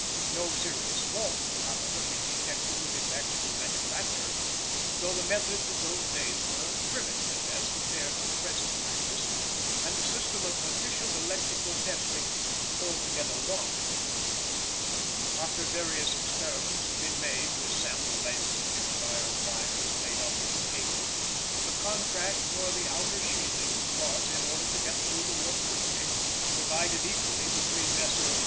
No serious fault could, however, be detected with its actual manufacture, though the methods of those days were primitive as compared with present practise, and a system of efficient electrical testing altogether wanting. After various experiments had been made with sample lengths of different iron wires made up into cable, the contract for the outer sheathings was, in order to get through the work quickly, divided equally between Messrs.